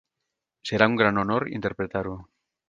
Serà un gran honor interpretar-ho.